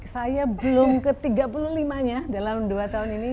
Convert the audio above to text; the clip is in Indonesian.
saya belum ke tiga puluh lima nya dalam dua tahun ini